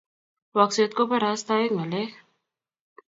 wakset ko barastae ngalek